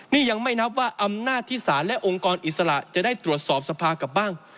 นี่ยังไม่นับว่าอำนาจที่ศาลและองค์กรอิสระจะได้ตรวจสอบสภากลับบ้าง